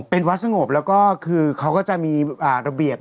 เป็นวัดสงบแล้วก็คือเขาก็จะมีระเบียบ